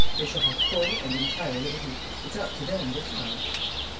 They shall have full and entire liberty. It's up to them, this time."